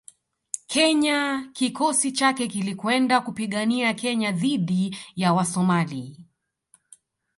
Kenya kikosi chake kilikwenda kupigania Kenya dhidi ya Wasomali